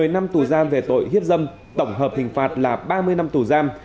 một mươi năm tù giam về tội hiếp dâm tổng hợp hình phạt là ba mươi năm tù giam